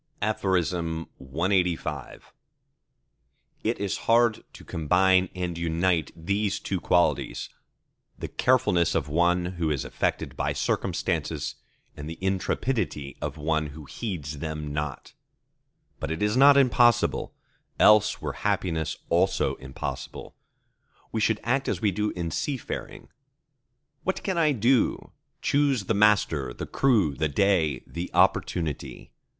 CLXXXVI It is hard to combine and unite these two qualities, the carefulness of one who is affected by circumstances, and the intrepidity of one who heeds them not. But it is not impossible: else were happiness also impossible. We should act as we do in seafaring. "What can I do?"—Choose the master, the crew, the day, the opportunity.